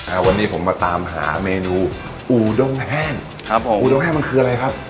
อ่าวันนี้ผมมาตามหาเมนูอูดงแห้งครับผมอูดงแห้งมันคืออะไรครับ